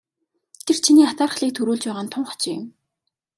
Тэр чиний атаархлыг төрүүлж байгаа нь тун хачин юм.